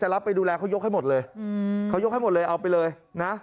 รับไปดูแลเขายกให้หมดเลยเขายกให้หมดเลยเอาไปเลยนะ